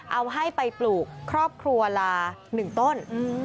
เอาให้ไปปลูกครอบครัวละ๑ต้น